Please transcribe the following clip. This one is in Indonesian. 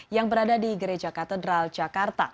yang berada di gereja katedral jakarta